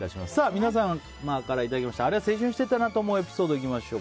皆様からいただいたあれは青春してたなぁと思うエピソード、いきましょう。